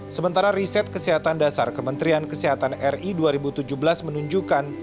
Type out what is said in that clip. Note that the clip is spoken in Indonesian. sementara riset kesehatan dasar kementerian kesehatan ri dua ribu tujuh belas menunjukkan